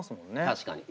確かに。